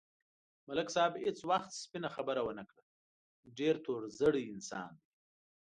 ملک صاحب هېڅ وخت سپینه خبره و نه کړه، ډېر تور زړی انسان دی.